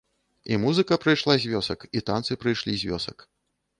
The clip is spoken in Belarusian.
І музыка прыйшла з вёсак, і танцы прыйшлі з вёсак.